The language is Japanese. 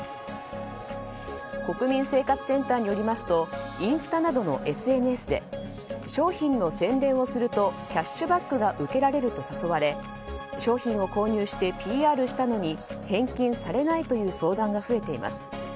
国民生活センターによりますとインスタなどのＳＮＳで商品の宣伝をするとキャッシュバックが受けられると誘われ商品を購入してＰＲしたのに返金されないという相談が増えています。